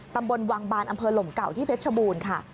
ตำบลวังบานอำเภอหลมเก่าที่เพชรชบูรณ์ค่ะ